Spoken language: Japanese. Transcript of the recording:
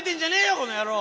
この野郎！